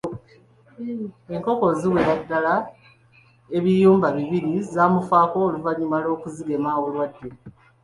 Enkoko eziwerera ddala ebiyumba bibiri zaamufaako oluvannyuma lw'okuzigema obulwadde.